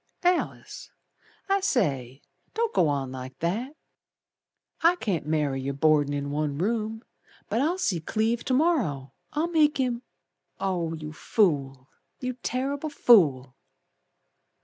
"Alice, I say, Don't go on like that. I can't marry yer Boardin' in one room, But I'll see Cleve to morrer, I'll make him " "Oh, you fool! You terrible fool!"